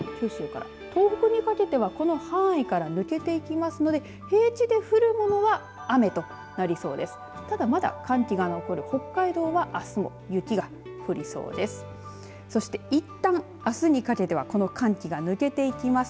そして、九州から東北にかけてはこの範囲から抜けていきますので平地で降るものは雨となりそうです。